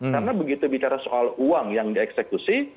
karena begitu bicara soal uang yang dieksekusi